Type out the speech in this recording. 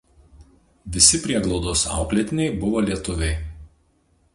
Visi prieglaudos auklėtiniai buvo lietuviai.